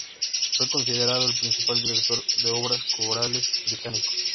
Fue considerado el principal director de obras corales británico.